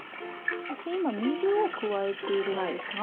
そして今水を加えているんですが。